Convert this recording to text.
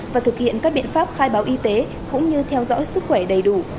và thực hiện các biện pháp khai báo y tế cũng như theo dõi sức khỏe đầy đủ